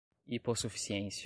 hipossuficiência